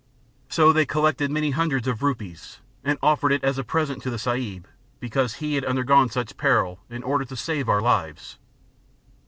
So they collected many hundreds of rupees, and offered it as a present to the Sahib, because he had undergone such peril, in order to save our lives.